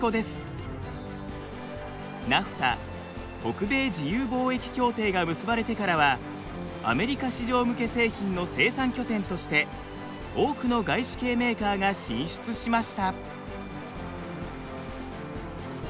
ＮＡＦＴＡ北米自由貿易協定が結ばれてからはアメリカ市場向け製品の生産拠点として多くの外資系メーカーが進出しました。